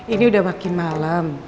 ini udah makin malem